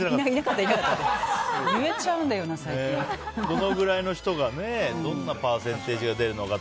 どのぐらいのパーセンテージが出るのか。